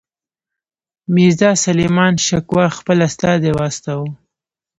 میرزاسلیمان شکوه خپل استازی واستاوه.